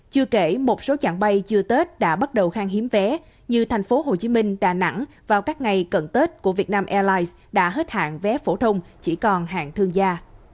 chưa kể một số chặng bay chưa tết đã bắt đầu khang hiếm vé như thành phố hồ chí minh đà nẵng vào các ngày cận tết của việt nam airlines đã hết hạn vé phổ thông chỉ còn hạng thương gia